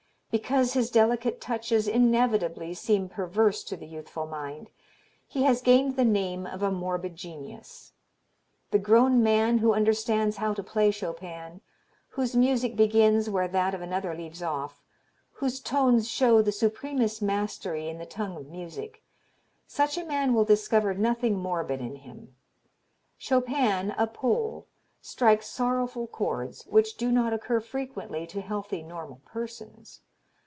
Because his delicate touches inevitably seem perverse to the youthful mind, he has gained the name of a morbid genius. The grown man who understands how to play Chopin, whose music begins where that of another leaves off, whose tones show the supremest mastery in the tongue of music such a man will discover nothing morbid in him. Chopin, a Pole, strikes sorrowful chords, which do not occur frequently to healthy normal persons.